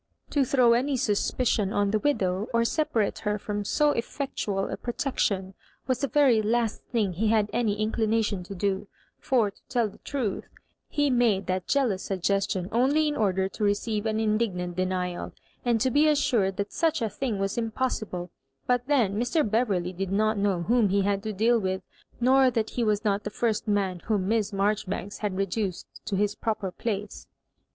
To throw any suspicion on the widow, or sepa rate her from so effectual a protection, was the very last thing he bad any inclination to do : for, to tell the truth, he made that jealous suggestion only in order to receive an indignant denial, and to be assured that such a thing was impossibla But then Mr. Beverley did not know wltom he had to deal with, nor that he was not the first man whom Miss Marjoribanks had reduced to his proper place.